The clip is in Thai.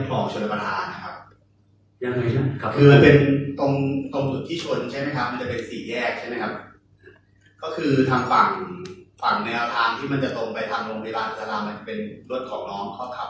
ก็พยายามจะขับโดกศรีไปประมาณเนี้ยครับคนละเมืองนี้ก็ต้องขับรถตามทั้งมอเตอร์ไซด์แล้วก็รถกระบาด